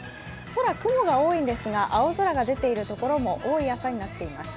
空、雲が多いんですが青空が出ているところも多い朝となっております。